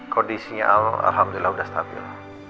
kondisinya alhamdulillah udah stabil